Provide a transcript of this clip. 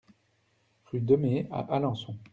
Rue Demées à Alençon